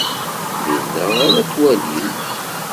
Dinna ara t-twalim.